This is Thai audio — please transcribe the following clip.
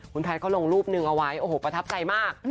คุณแพทย์เขาลงรูปหนึ่งเอาไว้โอ้โหประทับใจมาก